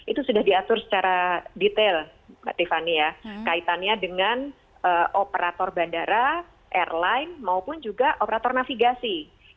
itu sudah diatur secara detail mbak tiffany ya kaitannya dengan operator bandara airline maupun juga operator navigasi